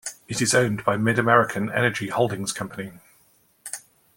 It is owned by MidAmerican Energy Holdings Company.